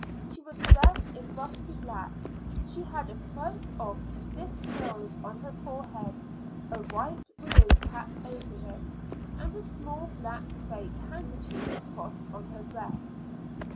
She was dressed in rusty black; she had a front of stiff curls on her forehead, a white widow's cap over it, and a small black crape handkerchief crossed on her breast.